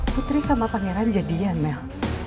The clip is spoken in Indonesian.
putri sama pangeran jadian mel